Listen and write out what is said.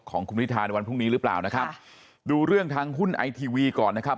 ของคุณพิธาในวันพรุ่งนี้หรือเปล่านะครับดูเรื่องทางหุ้นไอทีวีก่อนนะครับ